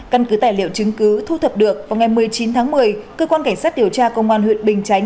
căn cứ tài liệu chứng cứ thu thập được vào ngày một mươi chín tháng một mươi cơ quan cảnh sát điều tra công an huyện bình chánh